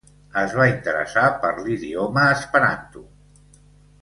Es va interessar per l'idioma esperanto.